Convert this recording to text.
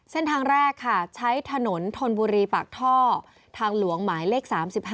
เส้นทางแรกค่ะใช้ถนนธนบุรีปากท่อทางหลวงหมายเลข๓๕